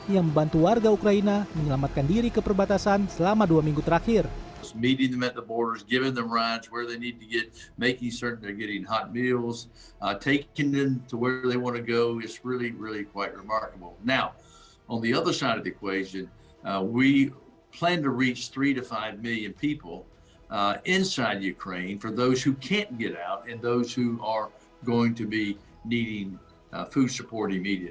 yang membantu warga ukraina menyelamatkan diri ke perbatasan selama dua minggu terakhir